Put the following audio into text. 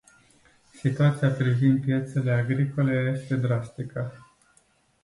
Situația privind piețele agricole este drastică.